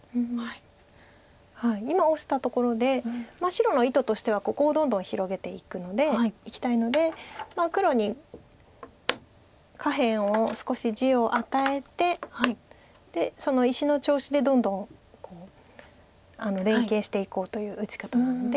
今オシたところで白の意図としてはここをどんどん広げていきたいので黒に下辺を少し地を与えてでその石の調子でどんどん連係していこうという打ち方なので。